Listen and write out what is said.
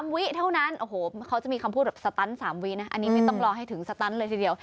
วิเท่านั้นโอ้โหเขาจะมีคำพูดแบบสตัน๓วินะอันนี้ไม่ต้องรอให้ถึงสตันเลยทีเดียว